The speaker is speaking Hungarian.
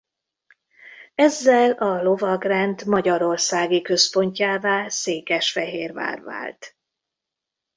Ezzel a lovagrend magyarországi központjává Székesfehérvár vált.